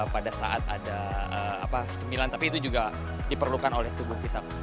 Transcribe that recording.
pada saat ada cemilan tapi itu juga diperlukan oleh tubuh kita